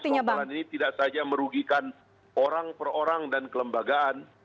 karena persekongkolan ini tidak saja merugikan orang per orang dan kelembagaan